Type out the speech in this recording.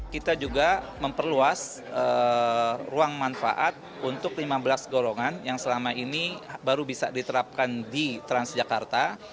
kita juga memperluas ruang manfaat untuk lima belas golongan yang selama ini baru bisa diterapkan di transjakarta